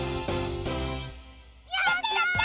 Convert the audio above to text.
やった！